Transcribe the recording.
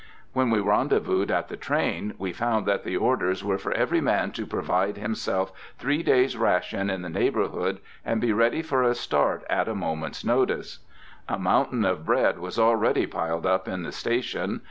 When we rendezvoused at the train, we found that the orders were for every man to provide himself three days' rations in the neighborhood, and be ready for a start at a moment's notice. A mountain of bread was already piled up in the station.